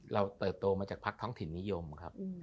เติบโตมาจากพักท้องถิ่นนิยมครับ